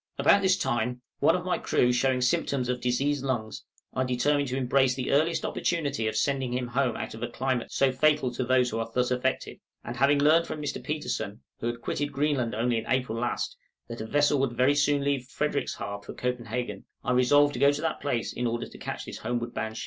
About this time, one of my crew showing symptoms of diseased lungs, I determined to embrace the earliest opportunity of sending him home out of a climate so fatal to those who are thus affected; and having learnt from Mr. Petersen, who had quitted Greenland only in April last, that a vessel would very soon leave Frederickshaab for Copenhagen, I resolved to go to that place in order to catch this homeward bound ship.